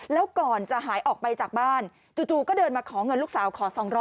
แล้วก่อนจะหายออกไปจากบ้านจู่ก็เดินมาขอเงินลูกสาวขอ๒๐๐